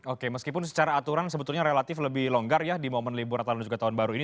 oke meskipun secara aturan sebetulnya relatif lebih longgar ya di momen liburat tahun baru ini